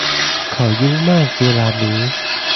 เขายุ่งมากเวลานี้